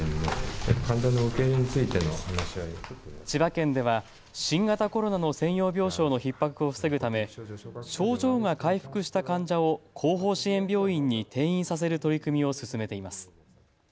千葉県では新型コロナの専用病床のひっ迫を防ぐため症状が回復した患者を後方支援病院に転院させる取り組みを進めています。